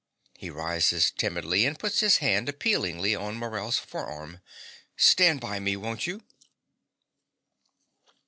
(He rises timidly and puts his hand appealingly on Morell's forearm.) Stand by me, won't you?